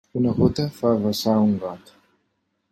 Una gota fa vessar un got.